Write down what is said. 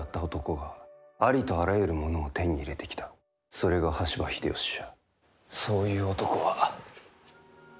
それが羽柴秀吉じゃ。